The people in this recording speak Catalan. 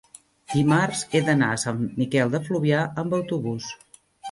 dimarts he d'anar a Sant Miquel de Fluvià amb autobús.